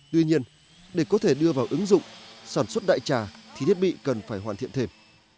tuy nhiên để có thể đưa vào ứng dụng sản xuất đại trà thì thiết bị cần phải hoàn thiện thêm